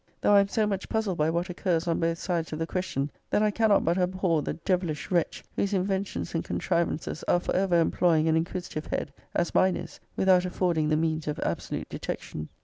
Though I am so much puzzled by what occurs on both sides of the ques >>> tion, that I cannot but abhor the devilish wretch, whose inventions and contrivances are for ever em ploying an inquisitive head, as mine is, without affording the means of absolute detection.